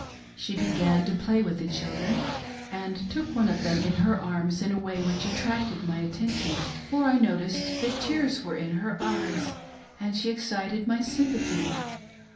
She begaii to play with the children, and took one of thenl in her arms in a way which attracted my . attention, for I noticed that tears were in her eyesj and she excited my sym^^ pathy.